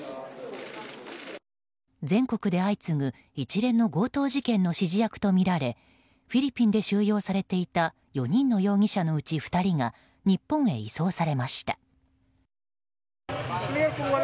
全国で相次ぐ一連の強盗事件の指示役とみられフィリピンで収容されていた４人の容疑者のうち２人が日本へ移送されました。